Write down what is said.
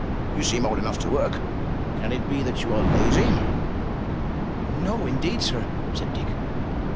You seem old enough to work. Can it be that you are lazy?" ''No, indeed, sir!'' said Dick.